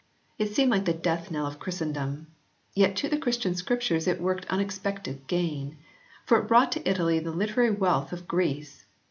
It seemed like the death knell of Christen dom. Yet to the Christian Scriptures it worked un expected gain. For it brought to Italy the literary wealth of Greece.